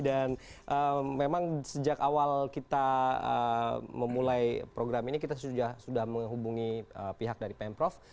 dan memang sejak awal kita memulai program ini kita sudah menghubungi pihak dari pemprov